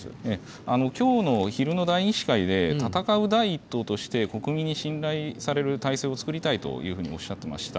きょうの昼の代議士会で戦う第１党として国民に信頼される体制を作りたいというふうにおっしゃっていました。